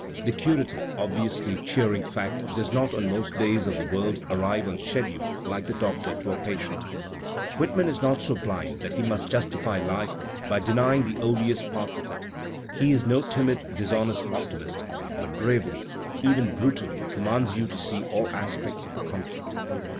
The curative, obvi ously cheering fact does not on most days of the world arrive on schedule like the doctor to a patient. Whitman is not Digitized by Google WHITMAN 227 so blind that he must justify life by denying the odious/ parts of it; he is no timid, dishonest optimist, but brave 1 ly, even brutally, commands you to see all aspects of the! conflict.